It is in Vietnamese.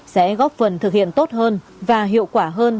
sẽ góp phần thực hiện tốt hơn và hiệu quả hơn